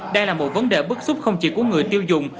đang là một vấn đề bức xúc không chỉ của người tiêu dùng